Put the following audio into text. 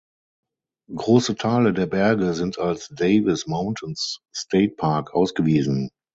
Große Teile der Berge sind als Davis Mountains State Park ausgewiesen.